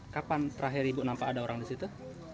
kapan terakhir ibu nampak ada orang di situ